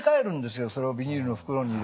それをビニールの袋に入れて。